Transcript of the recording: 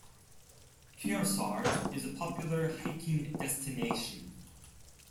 Kearsarge is a popular hiking destination.